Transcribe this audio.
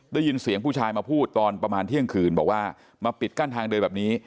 ได้ยินเสียงผู้ชายมาพูดตอนประมาณเที่ยงคืนบอกว่ามาปิดกั้นทางเดินแบบนี้